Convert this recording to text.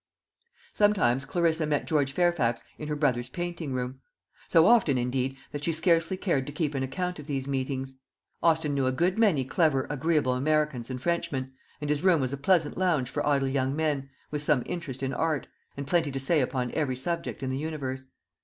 Sometimes Clarissa met George Fairfax in her brother's painting room; so often, indeed, that she scarcely cared to keep an account of these meetings. Austin knew a good many clever agreeable Americans and Frenchmen, and his room was a pleasant lounge for idle young men, with some interest in art, and plenty to say upon every subject in the universe.